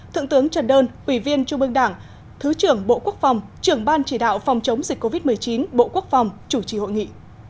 thượng tướng trần đơn ủy viên trung ương đảng thứ trưởng bộ quốc phòng trưởng ban chỉ đạo phòng chống dịch covid một mươi chín bộ quốc phòng chủ trì hội nghị